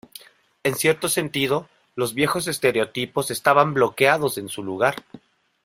En cierto sentido, los viejos estereotipos estaban bloqueados en su lugar.